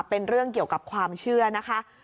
เป็นเรื่องเกี่ยวกับความเชื่อนะคะ